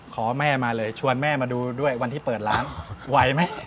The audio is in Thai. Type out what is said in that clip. ขอแม่มาเลยชวนแม่มาดูด้วยวันที่เปิดร้านไหวไหม